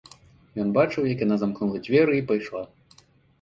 Ён бачыў, як яна замкнула дзверы і пайшла.